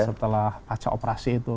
setelah pacar operasi itu